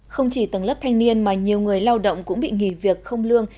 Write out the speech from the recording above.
không chỉ tầng lớp thanh niên mà nhiều người lao động cũng bị nghỉ việc không lương